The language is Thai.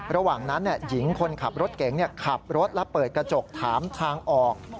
ระหว่างนั้นหญิงคนขับรถเก๋งขับรถและเปิดกระจกถามทางออก